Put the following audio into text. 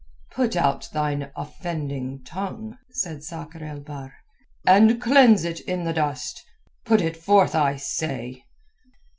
"Put out thine offending tongue," said Sakr el Bahr, "and cleanse it in the dust. Put it forth, I say."